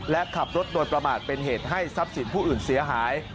และขับรถโดยประมาทเป็นเหตุให้ทรัพย์สินผู้อื่นเสียหาย